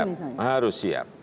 harus siap harus siap